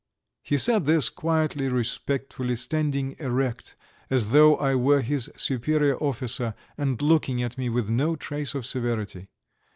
He said this, quietly, respectfully, standing erect, as though I were his superior officer and looking at me with no trace of severity.